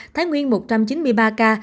thái nguyên một trăm chín mươi ba ca